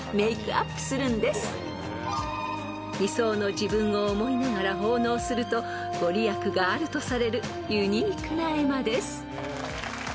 ［理想の自分を思いながら奉納すると御利益があるとされるユニークな絵馬です］